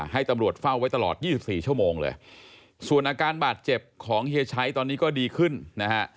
ให้ตำรวจเฝ้าไว้ตลอด๒๔ชั่วโมงเลยส่วนอาการบาดเจ็บของเฮียชัยตอนนี้ก็ดีขึ้นนะฮะ